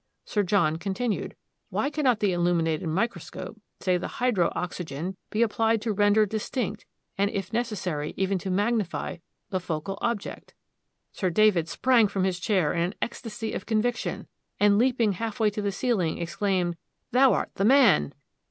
Sir John continued, 'Why cannot the illuminated microscope, say the hydro oxygen, be applied to render distinct, and, if necessary, even to magnify the focal object?' Sir David sprang from his chair in an ecstasy of conviction, and leaping half way to the ceiling, exclaimed, 'Thou art the man.'